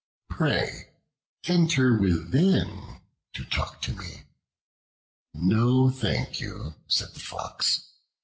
Pray enter within to talk with me." "No, thank you," said the Fox.